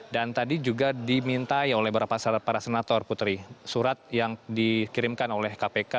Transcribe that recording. dan tadi juga diminta oleh beberapa senator putri surat yang dikirimkan oleh kpk